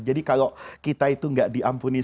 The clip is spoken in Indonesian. jadi kalau kita itu tidak diampuni